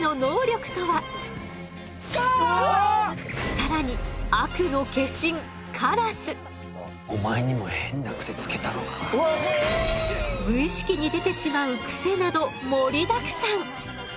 更に悪の化身無意識に出てしまうクセなど盛りだくさん。